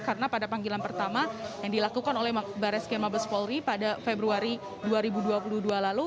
karena pada panggilan pertama yang dilakukan oleh baris km mabes polri pada februari dua ribu dua puluh dua lalu